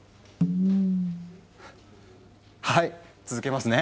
はい続けますね。